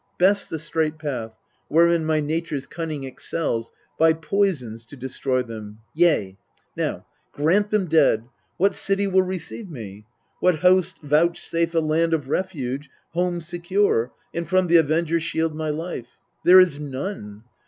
Best the straight path, wherein my nature's cunning Excels, by poisons to destroy them yea. Now, grant them dead : what city will receive me, What host vouchsafe a land of refuge, home Secure, and from the avenger shield my life? There is none.